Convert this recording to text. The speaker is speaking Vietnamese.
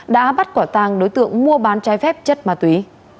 đã bắt quả tàng đối tượng mua bán trái phép chất ma túy